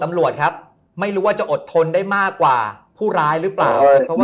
ตำรวจครับไม่รู้ว่าจะอดทนได้มากกว่าผู้ร้ายหรือเปล่า